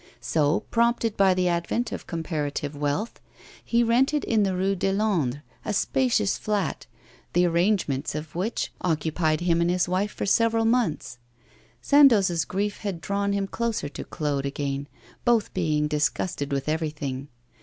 So, prompted by the advent of comparative wealth, he rented in the Rue de Londres a spacious flat, the arrangements of which occupied him and his wife for several months. Sandoz's grief had drawn him closer to Claude again, both being disgusted with everything.